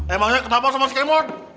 emangnya kenapa sama si kemot